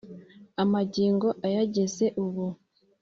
Amagingo ayageza ubu.